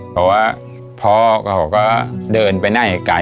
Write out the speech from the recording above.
เพราะว่าพ่อก็ก็เดินไปไหนไกล